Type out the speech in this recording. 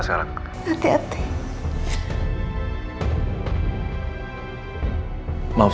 kemarin juga gitu